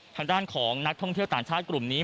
ทางด้านของนักท่องเที่ยวต่างชาติกลุ่มนี้